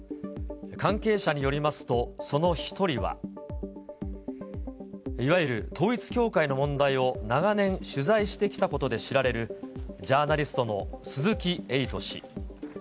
関係者によりますと、その１人は、いわゆる統一教会の問題を長年取材してきたことで知られるジャーナリストの鈴木エイト氏。